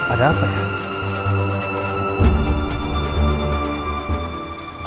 ada apa ya